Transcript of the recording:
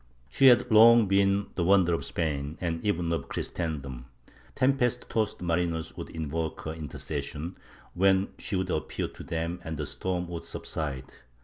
She had long been the wonder of Spain and even of Christendom. Tempest tossed mariners would invoke her intercession, when she would appear to them and the storm would subside.